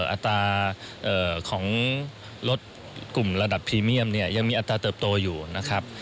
อัตราของรถกลุ่มระดับพรีเมียมเนี่ยยังมีอัตราเติบโตอยู่นะครับ